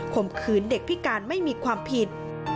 มขืนเด็กพิการไม่มีความผิด